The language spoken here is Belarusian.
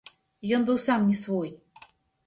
Ён быў сам не свой.